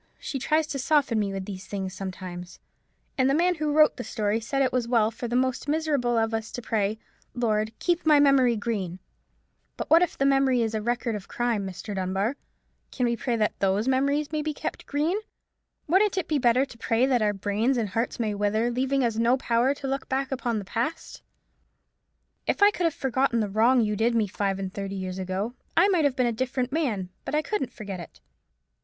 she tries to soften me with these things sometimes—and the man who wrote the story said it was well for the most miserable of us to pray, 'Lord, keep my memory green!' But what if the memory is a record of crime, Mr. Dunbar? Can we pray that those memories may be kept green? Wouldn't it be better to pray that our brains and hearts may wither, leaving us no power to look back upon the past? If I could have forgotten the wrong you did me five and thirty years ago, I might have been a different man: but I couldn't forget it.